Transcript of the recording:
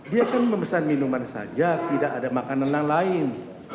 dia kan memesan minuman saja tidak ada makanan yang lain